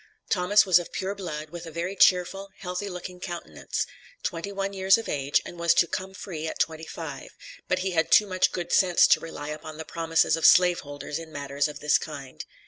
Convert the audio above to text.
Thomas was of pure blood, with a very cheerful, healthy looking countenance, twenty one years of age, and was to "come free" at twenty five, but he had too much good sense to rely upon the promises of slave holders in matters of this kind.